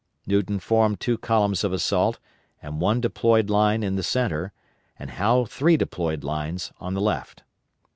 Newton formed two columns of assault and one deployed line in the centre, and Howe three deployed lines on the left.